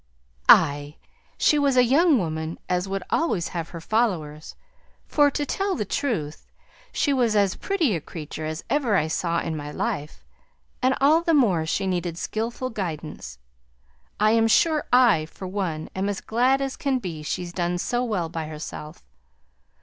"Ay. She was a young woman as would always have her followers; for, to tell the truth, she was as pretty a creature as ever I saw in my life. And all the more she needed skilful guidance. I'm sure I, for one, am as glad as can be she's done so well by herself.